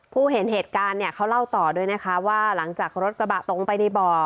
เห็นเหตุการณ์เนี่ยเขาเล่าต่อด้วยนะคะว่าหลังจากรถกระบะตรงไปในบ่อ